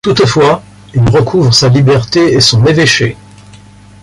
Toutefois, il recouvre sa liberté et son évêché.